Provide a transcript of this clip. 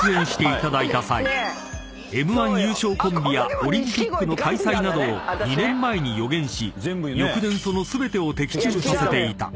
［Ｍ−１優勝コンビやオリンピックの開催などを２年前に予言し翌年その全てを的中させていた］